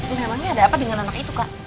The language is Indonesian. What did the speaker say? emangnya ada apa dengan anak itu kak